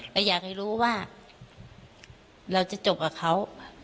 เราอยากให้รู้ว่าเราจะจบกับเขา